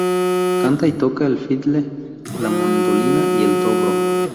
Canta y toca el fiddle, la mandolina y el dobro.